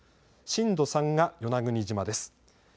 震度３が与那国島です。